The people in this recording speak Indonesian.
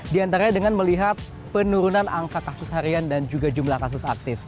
di antaranya dengan melihat penurunan angka kasus harian dan juga jumlah kasus aktif